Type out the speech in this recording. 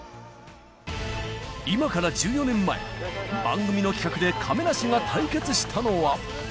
今から１４年前、番組の企画で亀梨が対決したのは。